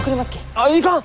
ああいかん！